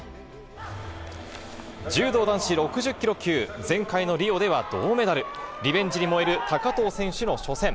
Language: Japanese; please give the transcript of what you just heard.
柔道男子６０キロ級、前回のリオでは銅メダル、リベンジに燃える高藤選手の初戦。